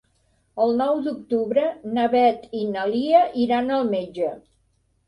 El nou d'octubre na Beth i na Lia iran al metge.